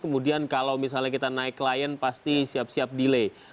kemudian kalau misalnya kita naik klien pasti siap siap delay